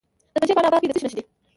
د پنجشیر په عنابه کې د څه شي نښې دي؟